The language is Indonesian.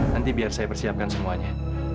nanti biar saya persiapkan semuanya